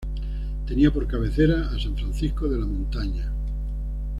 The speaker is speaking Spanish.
Tenía por cabecera a San Francisco de la Montaña.